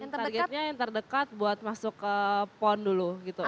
targetnya yang terdekat buat masuk ke pon dulu gitu